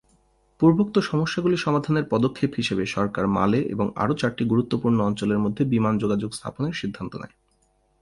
পূর্বোক্ত সমস্যাগুলি সমাধানের পদক্ষেপ হিসাবে সরকার মালে এবং আরও চারটি গুরুত্বপূর্ণ অঞ্চলের মধ্যে বিমান যোগাযোগ স্থাপনের সিদ্ধান্ত নেয়।